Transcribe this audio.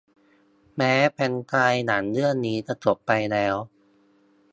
แม้แฟรนไชส์หนังเรื่องนี้จะจบไปแล้ว